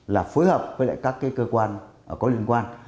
là phối hợp với lại các cái cơ quan có liên quan